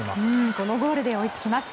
このゴールで追いつきます。